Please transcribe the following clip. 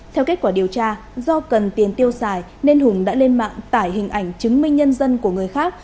theo kết quả điều tra do cần tiền tiêu xài nên hùng đã lên mạng tải hình ảnh chứng minh nhân dân của người khác